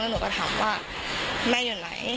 หนูก็ถามว่าแม่อยู่ไหน